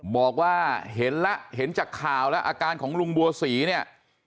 บอกว่าเห็นแล้วเห็นจากข่าวแล้วอาการของลุงบัวศรีเนี่ย